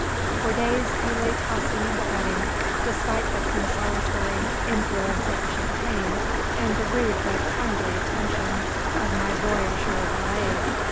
For days I lay tossing and fretting, despite the consolatory influence of the champagne, and the rude but kindly attentions of my voyageur valet.